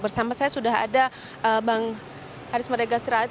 bersama saya sudah ada bang haris meregas rai